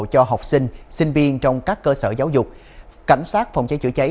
cho học sinh sinh viên trong các cơ sở giáo dục cảnh sát phòng cháy chữa cháy